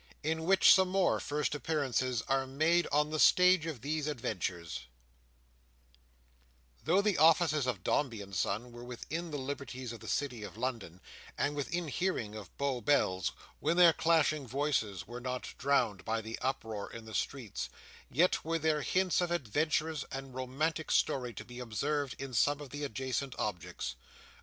In which some more First Appearances are made on the Stage of these Adventures Though the offices of Dombey and Son were within the liberties of the City of London, and within hearing of Bow Bells, when their clashing voices were not drowned by the uproar in the streets, yet were there hints of adventurous and romantic story to be observed in some of the adjacent objects.